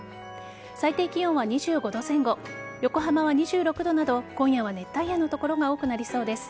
最低気温は２５度前後横浜は２６度など今夜は熱帯夜の所が多くなりそうです。